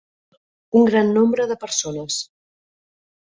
Un gran nombre de persones.